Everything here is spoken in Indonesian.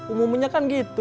umumnya kan gitu